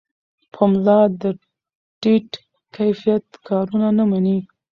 پملا د ټیټ کیفیت کارونه نه مني.